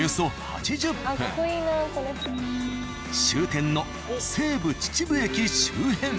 終点の西武秩父駅周辺。